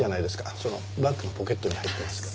そのバッグのポケットに入ってますから。